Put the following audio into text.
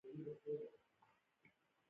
کندهار د افغانستان د ولایاتو په کچه توپیر لري.